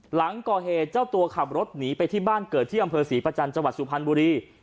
หลังก่อเหตุเจ้าตัวขับรถหนีไปที่บ้านเกิดที่อำเภอศรีประจันทร์จังหวัดสุพรรณบุรี